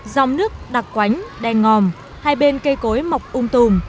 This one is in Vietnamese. dòng nước đặc quánh đen ngòm hai bên cây cối mọc ung tùm